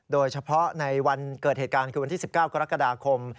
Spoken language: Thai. โดยเฉพาะในวันเกิดเหตุการณ์คือวันที่๑๙กรกฎาคม